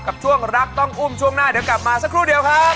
กับช่วงรักต้องอุ้มช่วงหน้าเดี๋ยวกลับมาสักครู่เดียวครับ